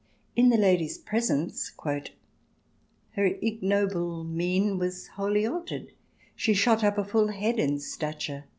In the lady's presence " her ignoble mien was wholly altered"; she "shot up a full head in stature